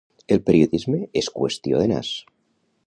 El periodisme és qüestió de nas.